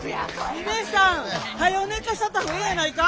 ミネさん！はよ寝かせたった方がええんやないか！？